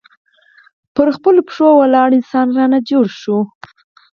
پر خپلو پښو ولاړ انسان رانه جوړ شي.